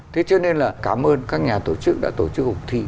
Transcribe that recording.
thế cho nên là cảm ơn các nhà tổ chức đã tổ chức cuộc thi